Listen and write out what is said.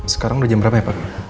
sekarang udah jam berapa ya pak